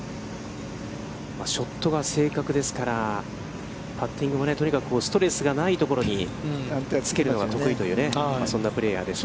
ショットが正確ですから、パッティングもとにかくストレスがないところにつけるのが得意という、そんなプレーヤーですが。